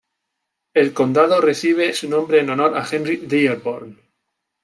El condado recibe su nombre en honor a Henry Dearborn.